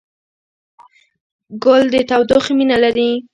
ګل د تودوخې مینه لري.